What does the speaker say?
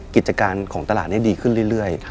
กิจการของตลาดนี้ดีขึ้นเรื่อย